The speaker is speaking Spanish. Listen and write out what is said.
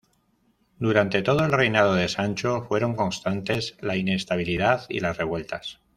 Durante todo el reinado de Sancho fueron constantes la inestabilidad y las revueltas.